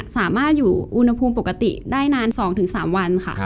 สามารถอยู่อุณหภูมิปกติได้นาน๒๓วันค่ะ